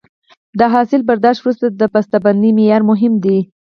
د حاصل برداشت وروسته د بسته بندۍ معیار مهم دی.